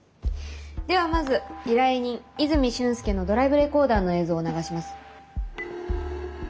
ではまず依頼人泉駿介のドライブレコーダーの映像を流します。